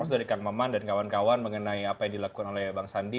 dari kang maman dan kawan kawan mengenai apa yang dilakukan oleh bang sandi